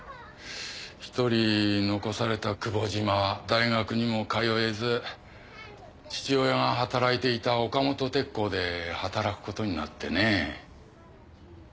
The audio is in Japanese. １人残された久保島は大学にも通えず父親が働いていた岡本鉄工で働くことになってね。